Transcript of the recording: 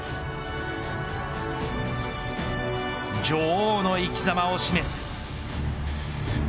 女王の生き様を示す。